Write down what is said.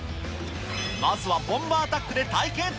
まずはボンバーアタックで対決。